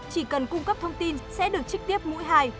chỉ cần cung cấp thông tin sẽ được trực tiếp mũi hai